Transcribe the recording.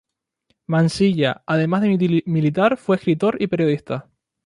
Mansilla, además de militar fue escritor y periodista.